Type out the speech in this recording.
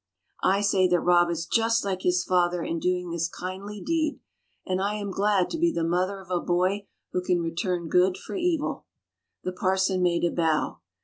"I say that Rob is just like his father in doing this kindly deed, and I am glad to be the mother of a boy who can return good for evil." The parson made a bow.